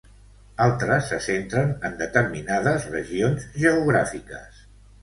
Altres se centren en determinades regions geogràfiques.